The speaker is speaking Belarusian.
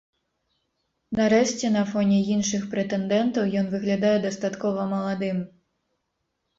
Нарэшце, на фоне іншых прэтэндэнтаў ён выглядае дастаткова маладым.